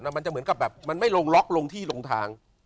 มันจะเหมือนกับแบบมันไม่ลงล็อกลงที่ลงทาง